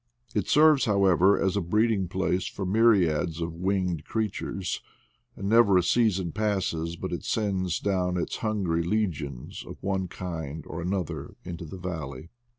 It serves, however, as a breeding place for myriads of winged creatures •, and never a season passes but it sends down its hungry legions of one Itfnd or another into the valley.